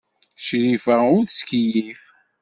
Crifa ur tettkeyyif.